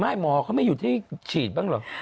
ไม่หมอก็ไม่หยุดที่ฉีดบ้างเหรอ